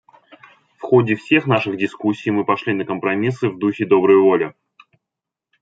В ходе всех наших дискуссий мы пошли на компромиссы в духе доброй воли.